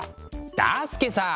だすけさあ